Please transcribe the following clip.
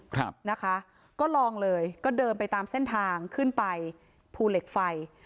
ครับนะคะก็ลองเลยก็เดินไปตามเส้นทางขึ้นไปภูเหล็กไฟ